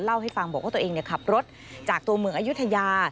เล่าให้ฟังบอกว่าตัวเองขับรถจากตัวเมืองอายุทยา